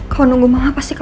kalo aku yang kukira